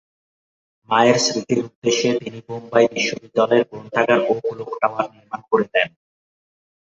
মায়ের স্মৃতির উদ্দেশ্যে তিনি বোম্বাই বিশ্ববিদ্যালয়ের গ্রন্থাগার ও ক্লক টাওয়ার নির্মাণ করে দেন।